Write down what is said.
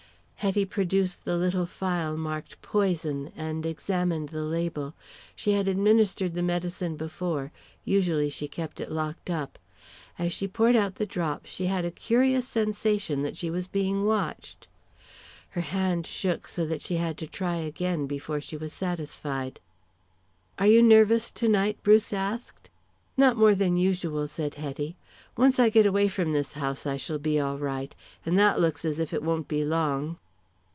Hetty produced the little phial marked "poison," and examined the label. She had administered the medicine before, usually she kept it locked up. As she poured out the drops she had a curious sensation that she was being watched. Her hand shook so that she had to try again before she was satisfied. "Are you nervous tonight?" Bruce asked. "Not more than usual," said Hetty. "Once I get away from this house I shall be all right, and that looks as if it won't be long."